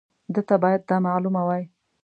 ده ته باید دا معلومه وای.